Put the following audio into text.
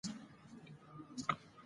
پنیر د سهار په ناشته کې خوړل کیږي.